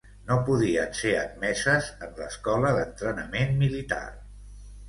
No podien ser admeses en l'escola d'entrenament militar.